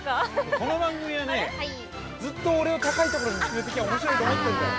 ◆この番組は、ずっと俺を高いところに連れていけばおもしろいと思ってるんだよ。